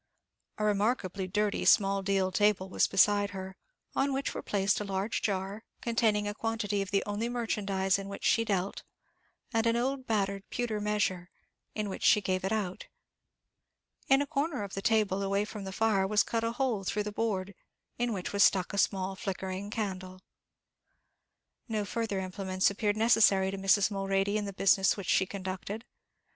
A remarkably dirty small deal table was beside her, on which were placed a large jar, containing a quantity of the only merchandize in which she dealt, and an old battered pewter measure, in which she gave it out; in a corner of the table away from the fire was cut a hole through the board, in which was stuck a small flickering candle. No further implements appeared necessary to Mrs. Mulready in the business which she conducted.